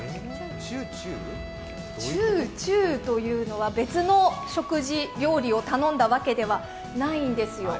中・中というのは別の食事、料理を頼んだわけではないんですよ。